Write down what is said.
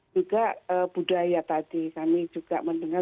juga budaya tadi kami juga mendengar